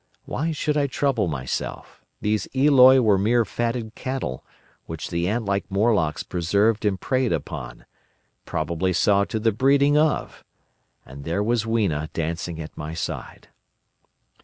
Why should I trouble myself? These Eloi were mere fatted cattle, which the ant like Morlocks preserved and preyed upon—probably saw to the breeding of. And there was Weena dancing at my side!